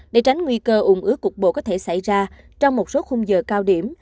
để tránh nguy cơ ủng ước cuộc bộ có thể xảy ra trong một số khung giờ cao điểm